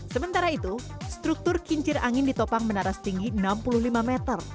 sementara itu struktur kincir angin ditopang menara setinggi enam puluh lima meter